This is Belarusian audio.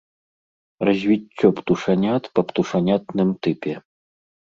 Развіццё птушанят па птушанятным тыпе.